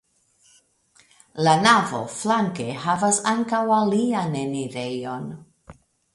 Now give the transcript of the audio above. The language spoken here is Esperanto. La navo flanke havas ankaŭ alian enirejon.